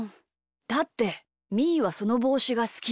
だってみーはそのぼうしがすき。